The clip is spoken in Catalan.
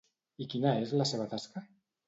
I quina és la seva tasca?